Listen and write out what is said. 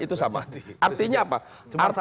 itu sama artinya apa cuma